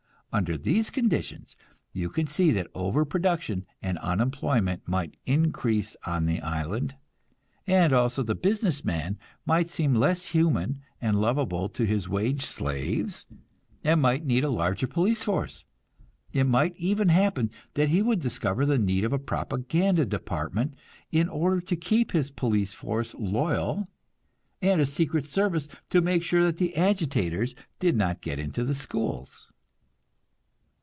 Under these conditions you can see that overproduction and unemployment might increase on the island; and also the business man might seem less human and lovable to his wage slaves, and might need a larger police force. It might even happen that he would discover the need of a propaganda department, in order to keep his police force loyal, and a secret service to make sure that agitators did not get into the schools.